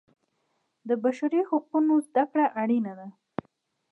د بشري حقونو زده کړه اړینه ده.